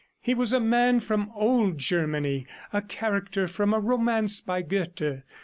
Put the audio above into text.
He was a man from old Germany, a character from a romance by Goethe.